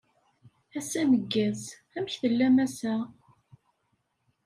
Ass ameggaz. Amek tellam ass-a?